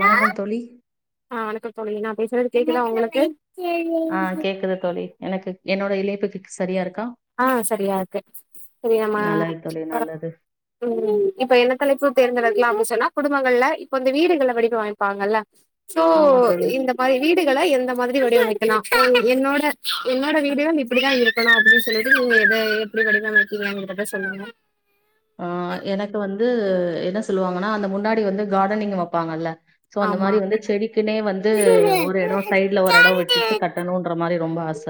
வணக்கம் தோழி ஆ வணக்கம் தோழி நா பேசுறது கேக்குதா உங்களுக்கு ஆ கேக்குது தோழி எனக்கு என்னோட இழைப்புக்கு சரியா இருக்கா ஆ சரியா இருக்கு சரி நம்ம நல்லது தோழி இப்ப நல்லது உம் இப்ப என்ன தலைப்பு தேர்ந்தெடுக்கலாம் அப்படி சொன்னா குடும்பங்கல்ல இப்ப இந்த வீடுகள்ல வெலக்கி வாங்கிப்பாங்கல்ல சோ ஆமா தோழி இந்த இந்த மாரி வீடுகள்ல எந்த மாதிரி வடிவமைக்கலாம் என்னோட என்னோட வீடும் இப்படிதா இருக்கணும் அப்படின்னு சொல்லி ட்டு எத எப்படி வடிவமைக்கிங்கங்றத சொல்லுங்க ஆ எனக்கு வந்து என்ன சொல்லுவாங்கன்னா அந்த முன்னாடி வந்து கார்டனிங் வப்பாங்கல்ல சோ அந்த ஆமா மாரி வந்து செடிக்குனே வந்து ஒரு இடம் சைட்ல ஒரு இடம் விட்டுட்டு கட்டணும்ன்ற மாறி ரொம்ப ஆச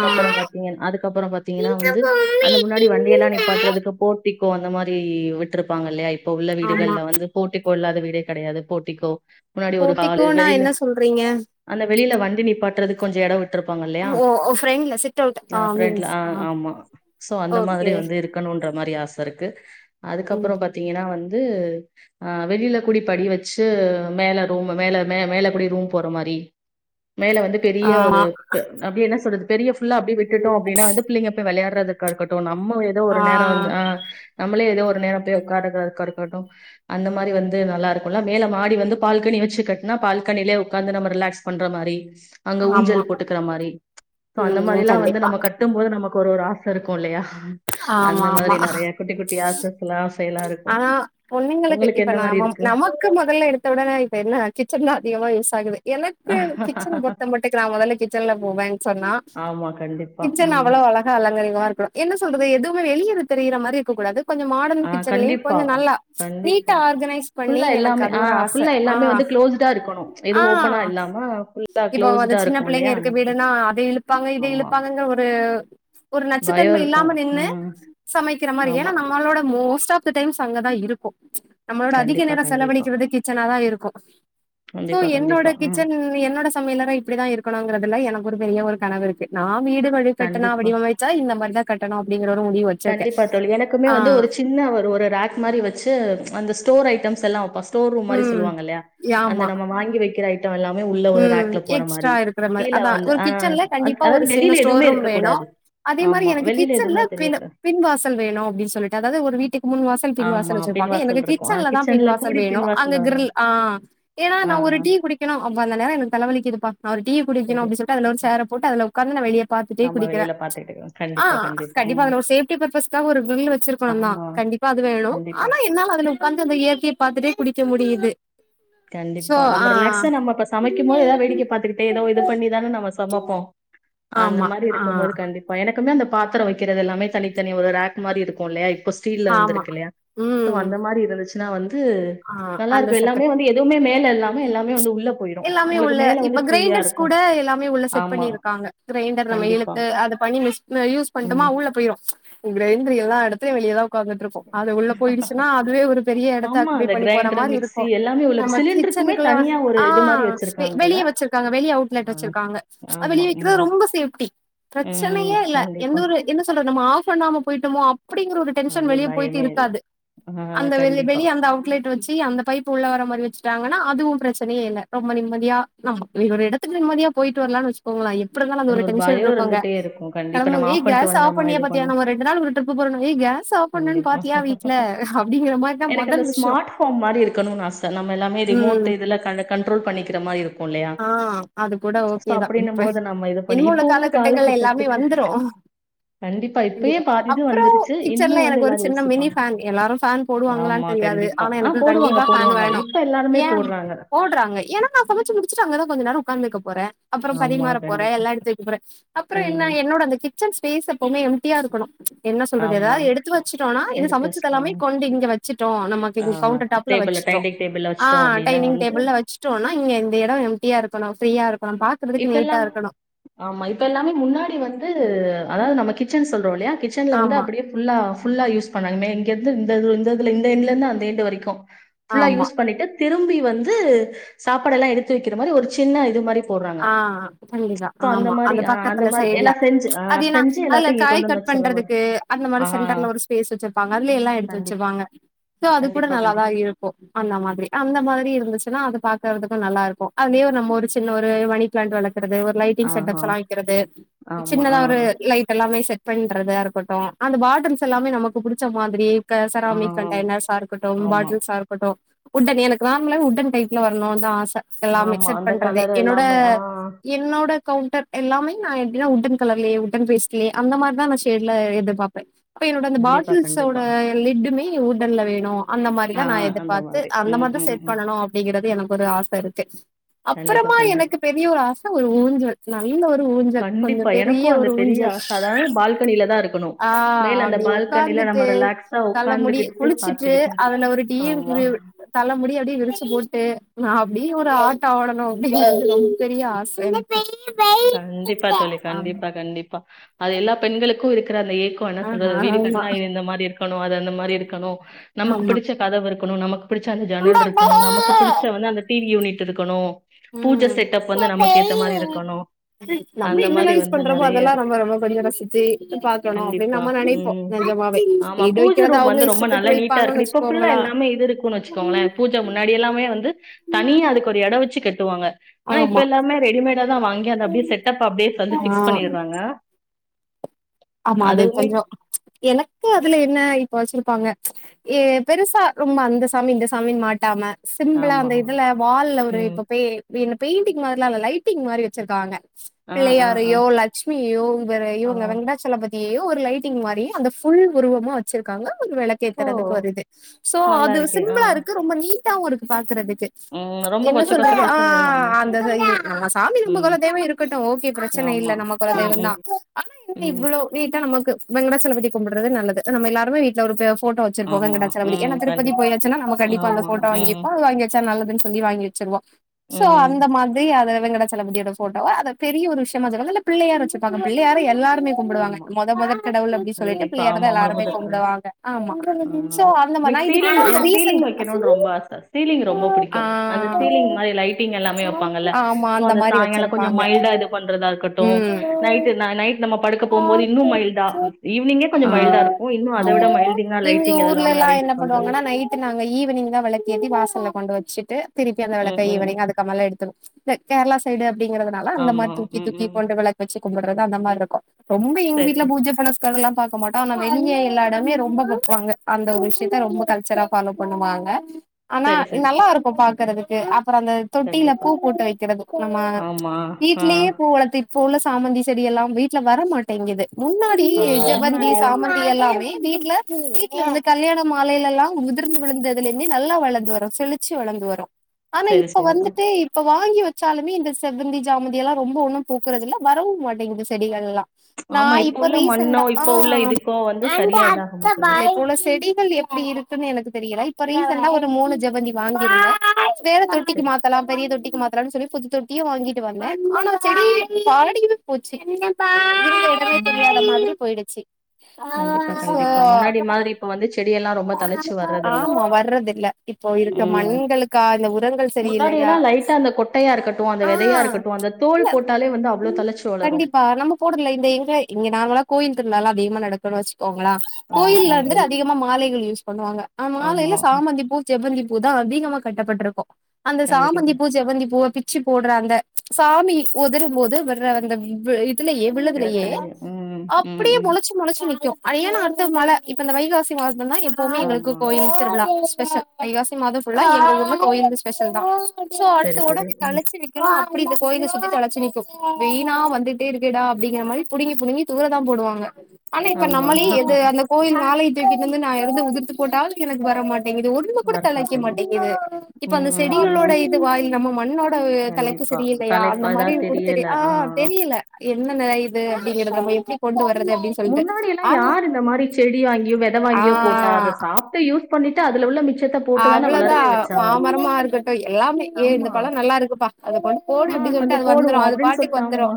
ஆ பாத்தீங்க அதுக்கப்புறம் பாத்தீங்கன்னா வந்து அந்த முன்னாடி வண்டிய எல்லா நீப்பாட்டுறதுக்கு இந்த போத்திக்கோ அந்த மாறி விட்டுருப்பாங்க இல்லையா இப்ப உள்ள ஆமா வீடுகள்ல வந்து போத்திக்கோ இல்லாத வீடே கெடையாது போத்திக்கோ முன்னாடி ஒரு காளு போட்டிக்கோனா வெளியில என்ன சொல்றீங்க அந்த வெளியில வண்டி நிப்பாட்றதுக்கு கொஞ்சோ எடோ விட்டு ட்ருப்பாங்க இல்லையா ஓ ஓ ஃப்ரெண்ட்ல சிட் அவுட் ஆ ஃபிரண்ட்ல மீன்ஸ் ஆ ஆமா சோ அந்த மாறி ஓகே வந்து இருக்கு க்கனுன்ற மாறி ஆச இருக்கு ம் அதுக்கப்றோ பாத்தீங்கன்னா வந்து ஆ வெளியில கூடி படி வச்சு மேல ரூம் மேல மே மேல கூடி ரூம் போற மாறி மேல வந்து பெரிய ஒரு ஆமா ப அப்டி என்ன சொல்றது வெளிய ஃபுல்லா அப்டியேவிட்டுடோ அப்டின்னா வந்து பிள்ளைங்க போய் விளையாடுறதுக்கா இருக்கட்டும் நம்ம ஏதோ ஆ ஒரு நேரோ வந்து ஆ நம்மளே ஏதோ ஒரு நேரோ போய் உக்காறதா இருக்கட்டும் அந்த மாரி வந்து நல்லா இருக்குல்ல மேல மாடி வந்து பால்கனி வச்சுக்கட்டுனா பால்கனிலயே உக்காந்து நம்ம ரிலாக்ஸ் பண்ற மாறி அங்க ஆமா ஊஞ்சல் போட்டுக்கிற மாறி சோ அந்த ம் மாறில்லாம் வந்து கண்டிப்பா நம்ம கட் ட்டும் போது நமக்கு ஒரு ஒரு ஆச இருக்கும் இல்லையா ஆமா அந்த ஆமா மாறி நெறைய குட்டி குட்டி ஆசை எல்லாம் ஆனா பொண்ணுங்களுக்கு இப்ப மாரி நம இருக்கு நமக் க்கு மொதல்ல எடுத்த உடனே இது என்ன கிச்சன் தா அதிகமா யூஸ் ஆகுது எனக்கு கிச்சன பொருத்த மட்டைக்கும் நா மொதல்ல கிச்சன்ல போவேன் சொன்னா ஆமா கண்டிப்பா ம் அலங்கரிமா இருக்கனும் என்ன சொல்றது எதுவுமே வெளியில தெரியிற மாறி இருக்க கூடாது கொஞ்சோ மாடனா ஆ சரி கண்டிப்பா கொஞ்சோ நல்லா கண்டிப்பா நீட்டா ஆர்கனைஸ் பண்ணி ஃபுல்லா எனக்கு எல்லாமே அது ஆ ஒரு ஆச ஃபுல்லா ஆ எல்லாமே வந்து க்ளோஸ்டா இருக்கணு ஆ எதுவு ஓப்பனா இல்லாம ஃபுல்லா இப்ப அத க்ளோஸ்டா சின்ன இருக்கு பிள்ளைங்க இல்லையா இருக்க அந்த மாரி வீடுனா அத இழுப்பாங்க இத ஆமா இழுப் பாருங்க ஒரு ஒரு பயோ நச்சுத்தன்மை இருக்கு இல்லாம நின்னு ம் சமைக்கிற மாறி ஆமா ஏன்னா நம்மளோட மோஸ்ட் ஆஃப் ப் த டைம்ஸ் அங்கதா இருக்கோ நம்மளோட அதிக கண்டிப்பா நேரோ கண்டிப்பா செலவழிக்கிறது கிச்சனா தா இருக்கும் சோ கண்டிப்பா என்னோட கண்டிப்பா ம் கிச்சன் என்னோட நம்ம எல்லாரும் இப்டிதா இருக்கணுங்கிறதுல எனக்கு ஒரு பெரிய ஒரு கனவு இருக்கு நா வீடு வழிகட்டுணா கண்டிப்பா வடிவமைத்து ச்சா இந்த மாறி தா கட்டணும் அப்டிங்கிற ஒரு முடிவு வச்சிருக்கே கண்டிப்பா தோழி எனக்குமே ஆ வந்து ஒரு சின்ன ஒரு ஒரு ரேக் மாறி வச்சு அந்த ஸ்டோர் ஐட்டம்ஸ் எல்லாம் வப்போ ஸ்டார் ரூம் மாறி ம் சொல்லுவாங்கல்லையா அந்த ஆமா நம்ம வாங்கி வைக்கிற ஐ டம் எல்லாமே உள்ள ஒரு ம் ரேக்ல்ல போற எக்ஸ்ட்ரா மாரி இருக்கிற மாரி கீழ அதா வந்து ஒரு ஆ கிச்சன்ல கண்டிப்பா அதாவது ஒரு சின்ன வெளியில ஸ்டோர் எதுவுமே ரூம் இருக்க வேணு கூடாது அதே மாரி ஆமா எனக்கு வெளியில கிச்சன்ல எதுவுமே தெரிய பின் கூடாது பின்வாசல் வேணும் அப்டின்னு சொல்லிட்டு அதாவது ஒரு வீட்டுக்கு முன் வாசல் பின்வாசல் ஆமா. வச்சிருப்பாங்க எனக்கு பின்வாசல் இருக்கும். ஆ கிச்சன்ல தா பின்வாசல் கூடி வேணும் அங்க பின்வாசல்ல வரும். கிரில் ஆ ஏன்னா ஆ நா ஒரு டீ குடிக்க அப்ப அந்த நேரோ எனக்கு தலவலிக்குதுப்பா நா ஒரு டீய குடிக்கணும் சரி. அப்டின்னு சொல்லிட்டு ஒரு ம். சேர போட்டு அதுல உக்காந்து உக்காந்து நா வெளிய பாத்துட்டே ஆமா குடிக்கிறே வெளியில பாத்துக்கிட்டுருக்கோம். ஆ கண்டிப்பா, கண்டிப்பா ம். அது ஒரு சேஃப்டி பர்பஸ்க்காக ஒரு கிரில் வச்சிருக்கணும் தா ஆமா. கண்டிப்பா அது வேணும் கண்டிப்பா. ஆனா இருந்தாலும் அதுல உக்காந்துட்டு அந்த இயற்கைய பாத்துட்டே குடிக்க முடியுது சோ கண்டிப்பா நம்ம ஆ ரிலாக்ஸா நம்ம ஃபர்ஸ் சமைக்கும் போது ஏதாவது வேடிக்க பாத்துக்கிட்டே ஏதோ இது பண்ணிதான நம சமைப்போ அந்த ஆமா. மாரி ஆ, இருக்கும் போது கண் கண்டிப்பா எனக்குமே அந்த பாத்தரம் வக்கிறது எல்லாமே தனித்தனி ஒரு ரேக் மாரி இருக்கும் இல்லயா இப்ப ஸ்டீல்ல ஆமா. வந்திருக்கு இல்லயா ம். அந்த மாரி இருந்துச்சுன்னா வந்து ஆ நல்லா அந்த இருக்கும் எல்லாமே செட்டப். வந்து எ எல்லாமே உங்களுக்கு உள்ள மேல இப்ப வந்து ஃப்ரீயா கிரைண்டர்ஸ் இருக்கும். கூட எல்லாமே உள்ள செட் ஆமா. பண்ணிருக்காங்க கிரைண்டர் நம்ம கண்டிப்பா. இழுத்து அத பண்ணி மிஸ் யூஸ் பண்ட்டுமா ம். உள் ள்ள போயிரும் கிரைண்டர் எல்லா எடத்துலயும் வெளிய தா உட்காந்துட்டு இருக் அது உள்ள போயிடுச்சுன்னா அதுவே ஒரு பெரிய எடத்த ஆமா. ஆக்குபை அந்த பண்ணி போற கிரைண்டர், மாரி இருக்கூ மிக்ஸி எல்லாமே உள்ள நம்ம சிலிண்டருக்குமே கிச்சனுக்குல்லா தனியா ஒரு அ இது மாரி வெ வச்சிருக்காங்கல்ல? வெளிய வச்சிருக்காங்க வெளிய அவுட் ஆ. லெட் வச்சிருக்காங்க அது ஆமா. வெளி ம். வெக்கறது ரொம்ப சேப்டி ம். பிரச்சனையே இல்ல எந்த கண்டிப்பா. ஒரு என்ன சொல்ற நம்ம ஆஃ பண்ணாம போயிட்டம்மா அப்படிங்கற ஒரு டென்ஷன் அப்படி வெளிய போய்ட்டு பயமே இல்ல. இருக்காது ஆ அந்த வெள் கண்டிப்பா. வெளிய அந்த அவ் ட வச்சு அந்த பைப் உள்ள வர மாரி வெச்சுட்டாங்கன்னா அதுவு பிரச்சனயே இல்ல ரொம்ப நிம்மதியா நம்ம [unintelligible] எடுத் டத்துக்கு நிம்மதியா போய்ட்டு வரலா வச்சுக்கோங்களே அப்பறோ தா நாங்க ஒரு அது டென்ஷன் பயம் இருக்கோங்க இருந்துட்டே இருக்கும். கண்டிப்பா கெளம்புங் நம்ம ஏ ஆஃப் பண்ணிட்டு கேஸ் ஆஃப் வந்தோமா பண்ணியா இது பாத்தியா பண்ணோமா நம்ம ரெண்டு நாள் ஒரு ட்ரிப்பு போறன் ஏ கேஸ் ஆஃப் பன்னோன் கண்டிப்பா பாத்தியா வீட்ல அப்படிங்கிற மாரிதா மொதல் விஷயோ போ மாரி இருக்கணுன் ஆச நம்ம எல்லாமே ரிமோட் இதுல கன் கண்ட்ரோல் பண்ணிக்கிற மாரி இருக்கூ இல்லயா அதுக்கூட ஓகேதா இப்ப பண்ணி இனிமே இப்ப உள்ள காலகட்டங்கள்ல எல்லாமே காலகட்டத்துக்கு வந்துரு இப்பயே கண்டிப்பா பாதி இது அப்பறோ வந்துருச்சு. கிச்சன்ல இன்னும் வந்து எனக்கு ஒரு எல்லாரும் சின்ன மினி யோசிப்பாங்க. ஃபேன் எல்லாரு ஃபேன் போடுவாங்களா ஆமா தெரியாது கண்டிப்பா. ஆனா ஆ எனக்கு போடுவாங்க, கண்டிப்பா ஃபேன் போடுவாங்க. வேணூ இப்ப எல்லாருமே போடுறாங்க. ட்றாங்க ஏனா நா சமைச்சு முடிச்சுட்டு அங்கதா கொஞ்ச நேரோ ஒக்காந்துருக்க போற அப்பறோ ஆமா பரிமாற போற கண்டிப்பா. எல்லா எடுத்து வெக்க போற அப்பறோ என்ன ம். என்னோட அந்த கிச்சன் ஸ்பேஸ் எப்போமே எம்ட்டியா இருக்கணு என்ன சொல்றது ஆமா. எதாது எடுத்து வச்சுட்டோனா இந்த சம ச்சு தெல்லாமே கொண்டு இங்க வச்சுட்டோ நம்ம அ டேபுல டைன்டிக் டேபிள்ல வச்சுட்டோ அப்படின்னா வந்து வச்ட்டோனா இங்க இந்த எடோ எம்ட்டியா இருக்கணு ஃப்ரீயா இருக்கணுப்பா இப்பெல்லா ஆமா இப்பெல்லாமே முன்னாடி வந்து அதாவது நம்ம கிச்சன் சொல்றோல்லியா கிச் ட்டுன்ல வந்து ஆமா அப்டியே ஃபுல்லா ஃபுல்லா யூஸ் பண்ணாங்க னே இங்கர்ந்து இந்தது இந்ததுல இந்த எண்ட்லருந்து அந்த எண்டு வரைக்கு ஃபுல்லா ஆமா யூஸ் பண்ணிட்டு திரும்பி வந்து சாப்பாடெல்லா எடுத்து வெக்கிற மாரி ஒரு சின்ன இது மாரி போடுறாங்க. அ தனீதா சோ ஆமா மாரி அந்த அ பக்கத்துல மாரி சைட்ல எல்லாம் செஞ்சு அ அது இனா செஞ்சு அதுல எல்லாத்தையும் இங்க கொண்டு காய் வந்து கட் வச்சுர்ற மாரி. பண்றதுக் கு அந்தமாரி ஆ சென்டர்ல ஒரு ஸ்பேஸ் வச்சிருப்பாங்க அதுல எல்லா எடுத்து கண்டிப்பா. வச்சிருப்பாங்க சோ அது கூட கண்டிப்பா, நல்லாதா கண்டிப்பா. இருக் பெ அந்த மாதிரி அந்த மாதிரி இருந்துச்சுன்னா அது பாக்குறதுக்கூ நல்லாருக்கூ அதே நம்ம ஒரு சின்ன ஒர் ஒரு மணி ப்ளாண்ட் வளக்குறது ஒரு லைட்டிங் ஆஹா. செட்டப்ஸ்லா வக்கிறது ஆமா. சின்னதா ஆ. ஒரு லைட் எல்லாமே செட் பண்றதா இருக்கட்டூ அந்த பாட்டில்ஸ் எல்லாமே நமக்கு புடிச்ச மாதிரி க ஆ. செராமிக் கண்ட்டெயினர்ஸா இருக்கட்டூ ஆமா. பாட்டில்ஸா இருக்கட்டூ உட்டன் எனக்கு நார்மலா உட்டன் டைப்ல வர்னுன் தா ஆச எல்லாம் ஆமா. எக்செட் அந்த பண்றது கலர் என்னோட எல்லாமே. ஆ. என்னோட கவுண்டர் எல்லாமே நா எப்டினா உட்டன் கலர்லேயே உட்டன் பேஸ்ட்லயே அந்த மார்தா நா ஷேட்லெ எதுர்பாப்பே அப்ப என்னோட அந்த கண்டிப்பா, பாட்டில்ஸ்சோட கண்டிப்பா. லிட்டுமே உட்டன்ல்ல வேணு அந்த மாரிதா ஆ நா அந்த எதிர்பாத்து மாதிரி. அந்த ம், மார்தா ம், செட் ம். பண்ணனு அப்டிங்கிறது எனக்கொரு ஆசருக்கு கண்டிப்பா ப கண்டிப்பா. எனக்கு பெரிய ஒரு ஆச ஒரு ஊஞ்சல் நல்ல ஒரு ஊஞ்சல் கொஞ்சோ கண்டிப்பா பெரிய எனக்கும் அந்த ஒரு பெரிய ஊஞ்சல் ஆசை அதாவது பால்கனில தான் இருக்கணும் ஆ மேல அந்த அப்டி பால்கனில உட்காந்துட்டு நம்ம ரிலாக்ஸா தள்ள முடி உட்காந்துக்கிட்டு குளிச்சுட்டு பாத்துக்கிட்டு அதுல ஒரு டீ ஆமா தலமுடி அப்டியே விரிச்சு போட்டு நா அப்டியே ஒரு ஆட்டோ ஆடணு அப்டிங்குற பெரிய ஆச கண்டிப்பா தோழி ஆ கண்டிப்பா கண்டிப்பா அது எல்லா பெண்களுக்கு இருக்ற அந்த ஏக் ப்போ என்னா சொல்றது ஆ வீடு ஆமா கட்னா இவ இந்த மாரி இருக்குணு அது அந்த மாரி இருக்கணு நமக்கு ஆமா புடிச்ச கதவு இருக்குணு நமக் பிடிச்ச அந்த ஜென்னல் இருக்கணு நமக்கு பிடிச்ச வந்து அந்த டிவி யூனிட் இருக்கணு பூஜ செட்டப் வந்து நமக்கு ஏத்த மாரி ம் இருக்கணு நம்ம எங்கெல்லா யூஸ் பண்றமோ அதெல்லா இருக்கு ரொம்ப ரொம்ப படிக ரசிச்சு பாக்கணு அப்டின்னு கண்டிப்பா நம்ம நனைப்போ உம் நெஜமாவே ஆமா இது பூஜ வைக்கிறது ரூம் அவுங்க வந்து ரொம்ப இஷ்டத்துக்கு நல்லா நீட்டா வைப்பாங்கன் வச்சுக்கோங்ளே பூஜ முன்னாடி எல்லாமே வந்து தனியா அதுக்கு ஒரு எடோ வச்சு கட்டுவாங்க ஆனா இப்ப ஆமா எல்லாமே ரெடிமேடா தா வாங்கி அத அப்டியே செட்டப் அப்டியே வந்து ஆ பிக்ஸ் பண்ணிறாங்க ஆமா அது கொஞ்சோ எனக்கு அதுல என்ன இப்ப வச்சுருப்பாங்க ஏ பெருசா ரொம்ப அந்த சாமி இந்த சாமின்னு மாட்டாம சிம்பிளா ஆமா அந்த இதுல வால்ல ஒரு ம் இப்ப பெ ன் பெயிண்டிங் மார்லா இல்ல லைட்டிங் மாரி வச்சுருக்காங்க ஆ ஆ ஆ பிள்ளையாரையோ லெக்சிமியோ வேற ஆ இவங்க வெங்காடஜ் ஜலபதியொய்யோ ஒரு லைட்டிங் மாரி அந்த ஃபுல் உருவமா வச்சுருக்காங்க ஒரு வெளக் ஓ கேத்துறதுக்கு ஒரு இது சோ நல்லா அது இருக்கு ஆ சிம்பிளா இருக்கு ரொம்ப நீட்டாவு இருக்கு பாக்குறதுக்கு ம் ரொம்ப என்ன கொச்ச கொச்ச சொல்றது ஆ கொச்சன்னு இல்லாம அந்தத இது நம்ம சாமி ரூம்புக்கு ம் அவ்ளோ தேவ இருக் கட்டு ஓகே பிரச்சன இல்ல ஆமா நம்ம கொல ம் தெய்வந்தா ம் ஆனா இதுங்க ம் இவ்ளோ ஓ நீீட்டா நமக்கு வெங்கடாஜலபதிய கும்பிடுறது நல்லது நம்ம எல்லாருமே வீட்ல ஒரு பெ போட்டோ வச்சிருப்போ ஆமா வெங்கடாஜலபதி ம் ஏனா திருப்பதி கண்டிப்பா போயாசுனா நம்ம கண்டிப்பா அந்த ஆமா போட்டோ ம் வாங்கிருப்போ வாங்கி வச் வச்சா நல்லதுன் சொல்லி வாங்கி வச்சுருவோ சோ ம் அந்த மாதிரி அத வெங்கடா ஜலபதியோட போட்டோவ அத பெரிய ஒரு விஷயமா வச்சுருக்காங் இல்ல பிள்ளையாரு வச்சுருப்பாங்க பிள்ளையார எல்லாருமே கும்புடுவாங்க ஆமா மொத மொத கடவுள் அப்டி சொல்லிட்டு கண்டிப்பா பிள்ளையார தா ஆமா எல்லாருமே முழுவதும் கும்ப்டுவாங்க ஆமா ஆ. சோ அந்த மாரி நா எனக்கு இது இப்ப சீலிங் இந்த எனக்கு சீலிங் ரீசண்ட் வைக்கணும்னு ரொம்ப ஆசை சீலிங் ரொம்ப ஆ பிடிக்கும் அந்த சீலிங் மாதிரி லைட்டிங் எல்லாமே வைப்பாங்கல்ல ஆமா ஸோ அந்த மாரி சாயங்காலம் கொஞ்சம் வச்சுருப்பாங்க மைல்டா இது பண்றதா இருக்கட்டும் ம் நைட்டு நைட் நம்ம படுக்க போம்போது இன்னு மைல்டா அந் ஈவ்னிங்கே கொஞ்சோ ஆ மைல்டா இருக்கு இன்னு அத ஆமா விட மைல்டிங்கா எங்க லைட்டிங் ஊர்ல இதெல்லாமே எல்லா அரேஞ் என்ன பண்ணுவாங்கன்னா நைட்டு நாங்க ஈவினிங் தா வெளக்கேத்தி வாசல கொண்டு வச்சிட்டு திருப்பி அந்த ம் வெளக்க ம் ம். ஈவ்னிங் அதுக்க மேல எடுத்துரு இத கேர்ளா சைடு அப்டிங்குறதுனால அந்த மாரி ஆமா தூக்கி ம் தூக்கி ம் கொண்டு வெளக் வச்சு கும்புடறது அந்த மார்ருக்கு ரொம்ப எங்க வீட்ல சரி சரி பூஜ புனஸ் க்காரோல்லா பாக்க மாட்டோ ஆனா வெளிய எல்லா எடமே ரொம்ப பாப்பாங்க அந்த ஒரு விஷ்யத்த ரொம்ப கல்ச்சரா ஃபாலோ பண்ணுவாங்க ஆனா சரி இந் சரி சரி நல்லா இருக்கு பாக்குறதுக்கு அப்றோ அந்த தொட்டியில கண்டிப்பா பூ போட்டு வைக்கிறது நம்ம ஆமா ஆ வீட்லேயே பூ வளத்திட் இப்ப உள்ள சாமந்தி செடி எல்லாம் வீட்ல வரமாட்டேங்குது முன்னா டி ஆ ஜெவெந்தி முன்னாடி எல்லாம் சாமந்தி எல்லாமே வீட்ல வீட்ல அந்த கல்யாண மாலையிலல்லா உதிர்ந்து விழுந்ததுலே இருந்து நல்லா வளந்து வரு செழிச்சு வளந்து வரு ஆனா சரி இப்ப சரி ஆ. வந்துட்டு இப்ப வாங்கி வச் சாலுமே இந்த செவ்வந்தி ஜாமந்தி எல்லா ரொம்ப ஒன்னு பூக்குறதுல்ல வரவு மாட்டேங்குது செடிகள்லா நா ஆமா இப்போ இப்ப உள்ள மண்ணோ ரீசண்டா ஆ இப்போ உள்ள இதுக்கோ வந்து சரியா இதாக மாட்டேங்குது இப் உள்ள செடிகள் எப் டி இருக்குன் எனக்கு தெரியல இப்ப ரீசெண்டா ஒரு மூனு ஜெவ்வந்தி வாங்கியிருந்தே வேற தொட்டிக்கு சரி மாத்தலா பெரிய தொட்டிக்கு மாத் தலா சொல்லி புது தொட்டியு வாங்கிட்டு வந்தே ஆனா செடி வாடியே போச்சு இடமே ம் தெரியாத மாதிரி போயிடுச்சு கண்டிப்பா சோ கண்டிப்பா முன்னாடி மாரி இப்ப வந்து செடி எல்லா ரொம் ஆமா வர்றது இல்ல இப்போ இருக்ற ம் மண்களுக்கா இந்த உரங்கள் சரியில்லையா கட்டையா இருக்கட்டு அந்த வெதயா ஆ இருக்கட்டு அந்த தோல் போட்டாலே வந்து அவ்ளோ தழச்சு வளரு போடல இந்த எங்க இங்க நாங்களல்லா கோயில் திருவிழால்ல அதிகமா நடக்கணு வச்சுக்கோங்களே ஆமா கோயில்ல ம் இருந்துட்டு ம் அதிகமா மாலைகள் யூஸ் பண்ணுவாங்க அந் ஆமா மாலைல சாம ந்தி பூ செவ்வந்தி பூ தா அதிகமா கட்டப்பட்ருக்கு அந்த கண்டிப்பா சாமந்தி பூ செவ்வந்தி பூவ பிச் சு போட்ற அந்த சாமி ஒதருபோது வர்ற அந்த இதுலயே உள்ளதுலேயே இடத்துலயே ம் ம் அப்டியே ம் மொளச்சி மொளச்சி நிக்கும் அது ஏன்னா அடுத்து மழ இப்ப இந்த வைகாசி மாச இங்க எப்பவுமே எங்களுக்கு ஆமா கோயில் திருவிழா ஸ்பெஷல் வைகாசி மாதம் ஃபுல்லா எங்க ஊரு கோவில் ஸ்பெஷல் தா சோ சரி அடுத்த ஓட சரி ம் கழச்சி அப்டி இந்த கோயில சுத்தி தளைச்சு நிற்க்கும் விணா வந்துட்டே இருக்கடா அப்டிங்கிற மாரி புடுங்கி புடுங்கி தூரதா போடுவாங்க ஆனா இப்ப ஆமா நம்மளே எது அந்த கோயில் மாலைய தூக்கிட்டு இருந்து நா எரிந்து உதிர்த்து போட்டாலு எனக்கு வர மாட்டேங்கேது ஒரு ஒன்னு கூட தலைக்க வரமாட்டேங்க. மாட்டேங்குது இப்ப ம் அந்த ம் செடிகளோட ம் இது வாயில் நம்ம மண்ணோட தலைப்பு கண்டிப்பா செடிய இல்லையா அந்த தலைப்பா எதா மாரி கூட தெரியு தெரியல ஆ தெரியல என்னன்ன இது அப்டிங்கற நம்ம எப்டி கொண்டு வர்றது அப்டி முன்னாடி எல்லா யார் இந்த மாரி செடி வாங்கியோ வித ஆ வாங்கியோ போட்டா அத சாப்ட்டு யூஸ் பண்ணிட்டு அதுல உள்ள மிச்சத்த போட்டு தான அவ்ளவுதா வளரவே வச்சாங்க. மாமரமா இருக்கட்டு எல்லாமே ஏ இந்த பழம் நல்லா இருக்குப்பா அத போடு உம் அப்டின்னு சொல்ட்டு கொஞ்சம் அது போடுவோ வந்துரு அது அப்டின்னு பாட்டுக்கு வந்துரு சொல்லிட்டாம்மா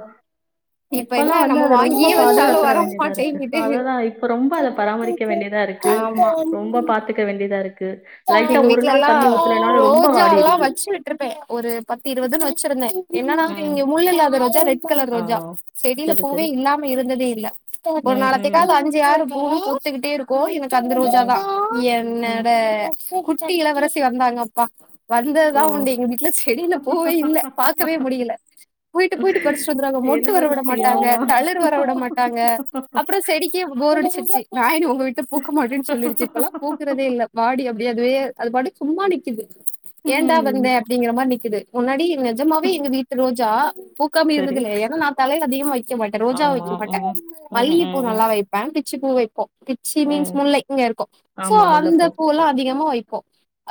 இப்ப இப்பல்லா என்ன வந்து நம்ம அத ரொம்ப வாங்கியே வச்சாலு பாதுகாக்கற வர வேண்டியதா இருக்கு மாட்டேங்குது அததா இப்ப ரொம்ப அத பராமரிக்க வேண்டியதா இருக் கு ஆமா ரொம்ப பாத்துக்க வேண்டியதா இருக்கு லைட்டா எங்க ஒரு வீட்ல நாள் எல்லா தண்ணி ஊத்தலைனாலும் ரொம்ப ரோஜா எல்லா வாடிடுது வச்சு விட்டுருப்பே ஒரு பத்து இருபதுன்னு வச்சிருந்தே என்னன்னா ம் இவிங்க முள்ளு இல்லாத ரோஜா ரெட் கலர் ஆ ரோஜா செடியில சரி பூவே சரி இல்லாம இருந்ததே இல்ல ஒரு ம் ம் நாளத்தக்காவது அஞ்சு ஆறு பூ பூத்துக்கிட்டே இருக்கு எனக்கு அந்த ரோஜா ம் தா ம் என்னோட ஷோ குட்டி இளவரசி வந்தாங்கப்பா ஓ வந்ததுதா உண்டு எங்க வீட்ல செடில பூவே இல்ல பாக்கவே முடியில போயிட்டு போயிட்டு பறிச்சுட்டு வந்துறாங்க மொட்டு வரவிட இளவரசி மாட்டாங்க ஆமா தளிர் வர விட மாட்டாங்க அப்புறம் செடிக்கே போர் அடிச்சிருச்சு நா இனி ஒங்க வீட்ல பூக்கமாட்டே சொல்லிருச்சு இப்பல்லா பூக்குறதே இல்ல வாடி ஏ அதுவே அது பாட்டுக்கு சும்மா நிக்கிது ஏண்டா ம் வந்த அப்டிங்கிற மாரி நிக்கிது முன்னாடி நெஜமாவே எங்க வீட்டு ரோஜா பூக்காம சரி இருந்ததுல்ல ஏன்னா நா தலையில அதிகமா வக்க மாட்டே ரோஜா ஆமா வக்க மாட்டே ம் ம் மல்லிக பூ ம் ம் நல்லா வைப்பே பிச்சு பூ வப் போ பிச்சி மீன்ஸ் ம் முல்லை இங்க இருக்கு சோ ஆமா அந்த முல்லைப்பூ பூ எல்லா அதிகமா வைப்போ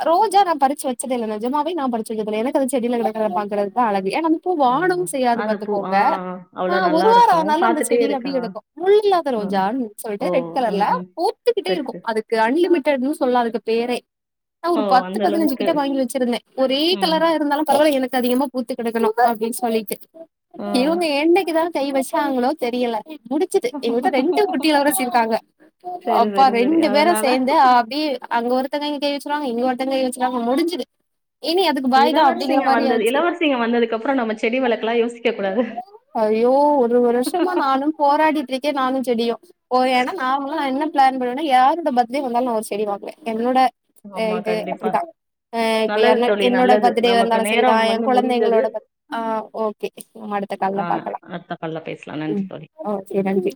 ரோஜா நா பறிச்சி வச்சதே இல்ல நெஜமாவே நா பறிச்சி வச்சது இல்ல எனக்குது செடில இருக்கிறத பாக்கிறது தா அழகு ஏன்னா பூ ஆமா. வாடவும் செய்யாது அது பூ ஆ பாத்துக்கோங்க ஆ அவ்ளோ ஒரு வார நல்லாருக்கும். ஆனாலு அந்த பாத்துட்டே செடில அப்டி இருக்கா? கெடக்கு முள் இல்லாத ஆ. ரோஜானு ஓ! சொல்லிட்டு ரெட் கலர்ல ம், ம். பூத்துக்கிட்டே சரி, இருக்கும் சரி. அது அன்லிமிடன்னு சொல்லா அதுக்கு பேரே நா ஓ! ஒரு பத்து அந்த பதினஞ்சு அளவுக்கு. கிட்ட வாங்கி வச்சிருந்தே ஒரே ம். கலரா இருந்தாலு பரவல எனக்கு அதிகமா பூத்துக்கடக்கணும் அப்டின்னு சொல்லிட்டு ம். இவுங்க என்னைக்கி தா கை வச்சாங்களோ தெரியல முடிச்சது எங்க வீட்ல ரெண்டு குட்டி இளவரசி இருக்காங்க சரி, அப்பா சரி, சரி. ரெண்டு பேரும் அதனால சேந்து அப்டி அங்க ஒருத்தங்க இங்கிட்டு கைவச்சிருவாங்க இங்க ஒருத்தங்க கைவச்சிருவாங்க முடிஞ்சிது இனி அதுக்கு இளவரசிங்க வந்தது இளவரசிங்க வந்ததுக்கு அப்புற நம்ம செடி வளக்கெல்லா யோசிக்க கூடாது ஐயோ ஒரு வருஷமா நானு போராடிட்டு இருக் கே நானு செடியும் ஒரு இடம் நார்மல்லா என்ன பிளான் பண்ணுவே யாரோட பர்த்டே வந்தாலும் நா ஒரு செடி வாங்குவே என்னோட ஆமா, இது கண்டிப்பா. அப்டிதா உம் இப்ப நல்லது என தோழி, என்னோட நல்லது. பர்த்டே நமக்கு வந்தாலும் சரிதா நேரம் ஏ வந்து முடிந்தது. கொழந்தைங்களோட பர்த் ஆ ஓ ஓகே அடுத்த கால் ல ஆ பாக்கலா அடுத்த கால்ல பேசலாம். ம் நன்றி தோழி. ஓகே நன்றி